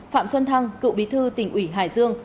phạm xuân thăng cựu bí thư tỉnh ủy hải dương